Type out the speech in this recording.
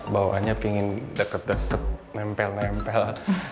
bawahannya pingin deket deket nempel nempel